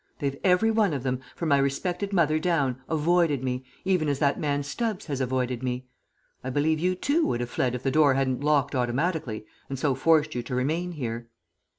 They've everyone of them, from my respected mother down, avoided me, even as that man Stubbs has avoided me. I believe you too would have fled if the door hadn't locked automatically, and so forced you to remain here."